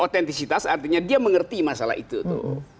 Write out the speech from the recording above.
otentisitas artinya dia mengerti masalah itu tuh